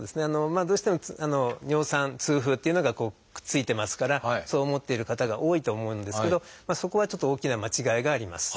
まあどうしても尿酸痛風っていうのがくっついてますからそう思っている方が多いと思うんですけどそこはちょっと大きな間違いがあります。